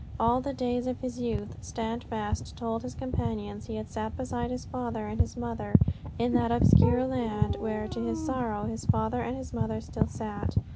All the days of his youth, Standfast told his companions, he had sat beside his father and his mother in that obscure land where to his sorrow his father and his mother still sat.